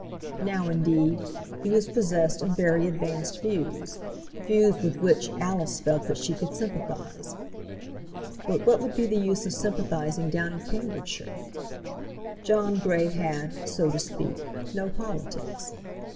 Now, indeed, he was possessed of very advanced views, views with which Alice felt that she could sympathize. But what would be the use of sympathizing down in Cambridgeshire? John Grey had, so to speak, no politics.